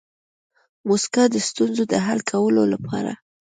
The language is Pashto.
موسکا د ستونزو د حل کولو لپاره